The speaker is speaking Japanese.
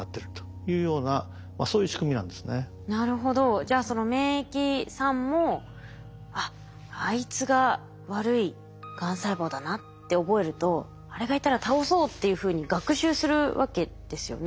じゃあその免疫さんも「あっあいつが悪いがん細胞だな」って覚えるとあれがいたら倒そうっていうふうに学習するわけですよね。